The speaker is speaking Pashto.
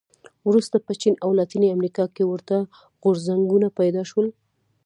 وروسته په چین او لاتینې امریکا کې ورته غورځنګونه پیدا شول.